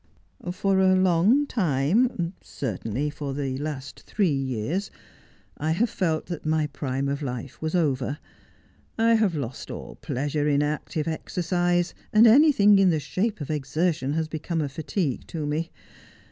'For a long time — certainly for the last three years — I have felt that my prime of life was over. I have lost all pleasure in active exercise, and anything in the shape of exertion has become 144 Just as I Am. a fatigue to rue.